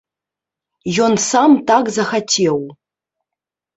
Ён сам так захацеў.